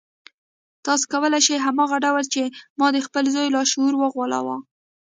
تاسې کولای شئ هماغه ډول چې ما د خپل زوی لاشعور وغولاوه.